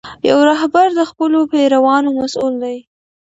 یو رهبر د خپلو پیروانو مسؤل دی.